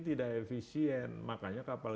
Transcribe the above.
tidak efisien makanya kapal